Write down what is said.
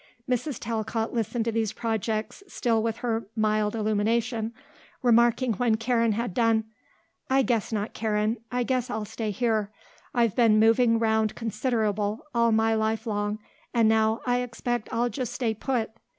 Mrs. Talcott listened to these projects, still with her mild illumination, remarking when Karen had done, "I guess not, Karen; I guess I'll stay here. I've been moving round considerable all my life long and now I expect I'll just stay put.